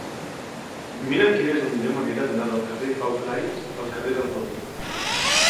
Mira'm quina és la millor manera d'anar del carrer de Pau Claris al carrer del Robí.